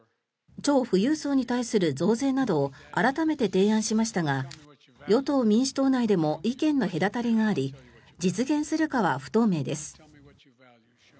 超富裕層に対する増税などを改めて提案しましたが与党・民主党内でも意見の隔たりがあり実現するかは不透明です。